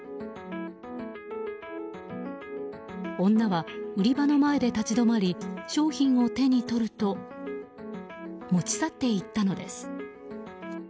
女は売り場の前で立ち止まり商品を手に取ると持ち去っていったのです。